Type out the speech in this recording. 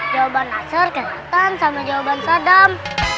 jawaban naser kelihatan sama jawaban sadam